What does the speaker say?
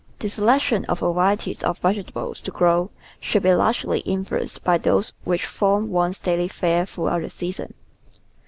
The selection of varieties of vegetables to grow should be largely influenced by those which form one's daily fare throughout the season.